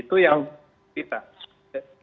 itu yang berarti